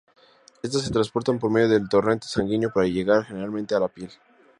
Estas se transportan por medio del torrente sanguíneo para llegar generalmente a la piel.